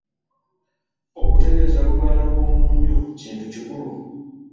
Okutereeza Lubaale w’omu nju kintu kikulu.